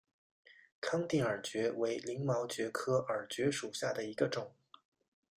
康定耳蕨为鳞毛蕨科耳蕨属下的一个种。